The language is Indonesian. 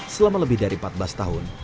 selama lebih dari empat belas tahun